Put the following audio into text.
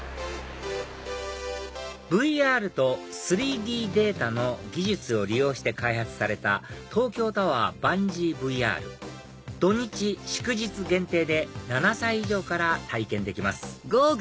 ＶＲと３Ｄデータの技術を利用して開発された東京タワーバンジーＶＲ土日・祝日限定で７歳以上から体験できます